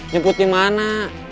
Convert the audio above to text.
jemput di mana